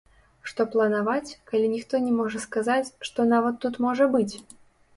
Што планаваць, калі ніхто не можа сказаць, што нават тут можа быць!